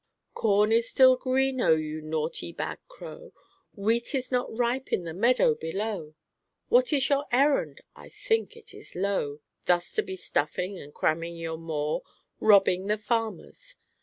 "Corn is still green, oh, you naughty, bad crow, Wheat is not ripe in the meadow below. What is your errand? I think it is low Thus to be stuffing and cramming your maw, Robbing the farmers!